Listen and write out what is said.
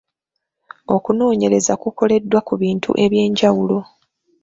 Okunoonyereza kukoleddwa ku bintu eby’enjawulo.